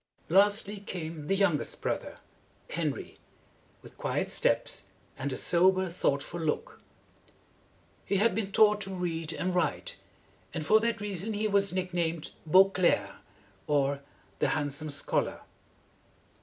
Lastly came the youngest brother, Henry, with quiet steps and a sober, thought ful look. He had been taught to read and write, and for that reason he was nick named Beau clerc, or the Hand some Schol ar.